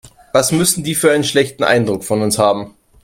Was müssen die für einen schlechten Eindruck von uns haben.